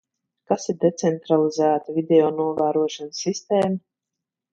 Kas ir decentralizēta videonovērošanas sistēma?